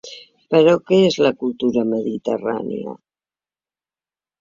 Però què és la cultura mediterrània?